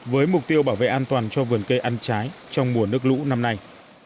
với mục tiêu bảo vệ an toàn cho vườn cây ăn trái trong mùa nước lũ năm nay